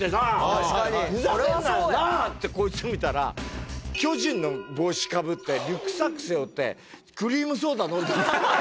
ってこいつ見たら巨人の帽子かぶってリュックサック背負ってクリームソーダ飲んでる。